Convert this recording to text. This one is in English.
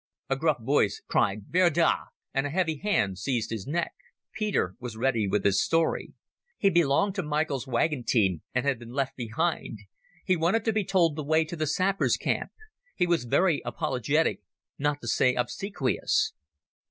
A gruff voice cried "Wer da?" and a heavy hand seized his neck. Peter was ready with his story. He belonged to Michael's wagon team and had been left behind. He wanted to be told the way to the sappers' camp. He was very apologetic, not to say obsequious.